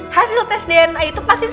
hasil tes dna itu pasti